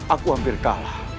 aku hampir kalah